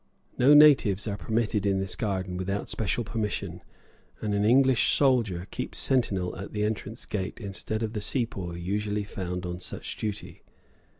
No natives are permitted in this garden without special permission; and an English soldier keeps sentinel at the entrance gate instead of the Sepoy usually found on such duty.